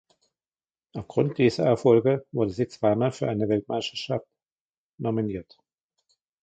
Aufgrund dieser Erfolge wurde sie zweimal für eine Weltmeisterschaft nominiert.